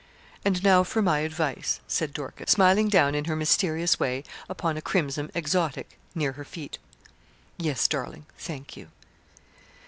'And now for my advice,' said Dorcas, smiling down in her mysterious way upon a crimson exotic near her feet. 'Yes, darling, thank you.